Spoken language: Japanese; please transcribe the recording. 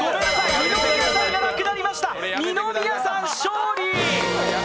二宮さんがなくなりました、二宮さん、勝利。